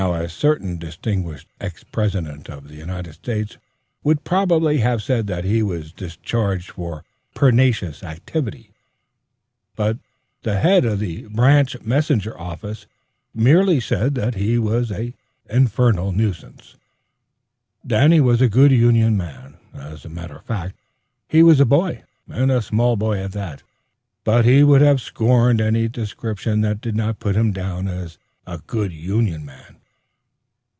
A certain distinguished ex President of the United States probably would have said that he was discharged for "pernicious activity"; but the head of the branch messenger office merely said that he was "an infernal nuisance." Danny was a good union man. As a matter of fact, he was a boy, and a small boy at that; but he would have scorned any description that did not put him down as "a good union man."